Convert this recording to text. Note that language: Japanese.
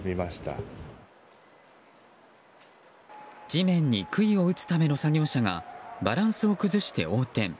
地面に杭を打つための作業車がバランスを崩して横転。